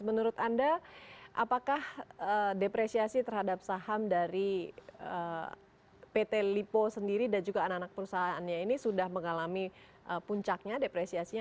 menurut anda apakah depresiasi terhadap saham dari pt lipo sendiri dan juga anak anak perusahaannya ini sudah mengalami puncaknya depresiasinya